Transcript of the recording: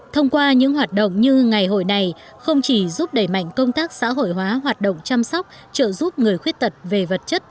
thông qua những hoạt động như ngày hội này không chỉ giúp đẩy mạnh công tác xã hội hóa hoạt động chăm sóc trợ giúp người khuyết tật về vật chất